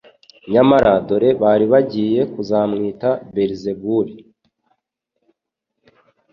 nyamara dore bari bagiye kuzamwita Belizebuli.